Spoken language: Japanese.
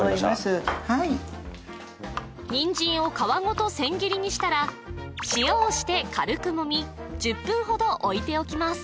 はい人参を皮ごと千切りにしたら塩をして軽くもみ１０分ほどおいておきます